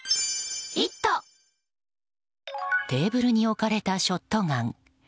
テーブルに置かれたショットガン。